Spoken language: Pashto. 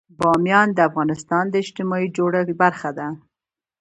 بامیان د افغانستان د اجتماعي جوړښت برخه ده.